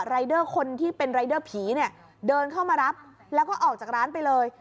รายเดอร์คนที่เป็นรายเดอร์ผีเนี่ยเดินเข้ามารับแล้วก็ออกจากร้านไปเลย